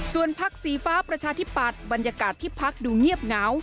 ส่วนพักสีฟ้าประชาธิปัตย์บรรยากาศที่พักดูเงียบเหงา